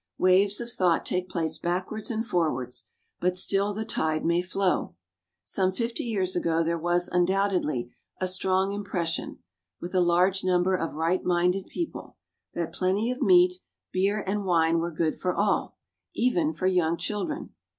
Waves of thought take place backwards and forwards, but still the tide may flow. Some fifty years ago there was, undoubtedly, a strong impression (with a large number of right minded people) that plenty of meat, beer, and wine were good for all, even for young children.